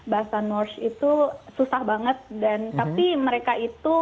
bahasa north itu susah banget dan tapi mereka itu